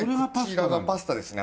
そちらがパスタですね。